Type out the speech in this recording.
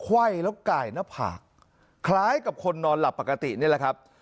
ไหว้แล้วกายหน้าผากคล้ายกับคนนอนหลับปกตินี่แหละครับ